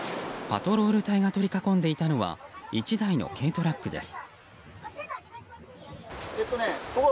パトロール隊が取り囲んでいたのは１台の軽トラックです。